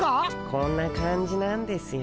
こんな感じなんですよ。